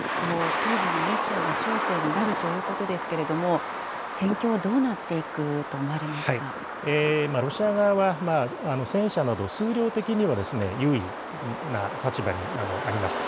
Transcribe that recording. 東部の２州が焦点になるということですけれども、戦況、どうなっロシア側は、戦車など数量的には優位な立場にあります。